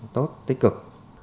tốt tích cực